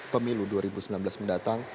pemilu dua ribu sembilan belas mendatang